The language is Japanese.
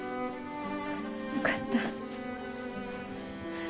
よかった。